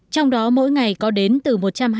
trong đó mỗi ngày có đến từ một trăm hai mươi